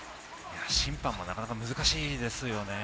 審判もなかなか難しいですよね。